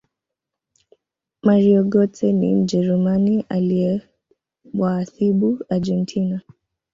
mario gotze ni mjerumani aliyewaathibu argentina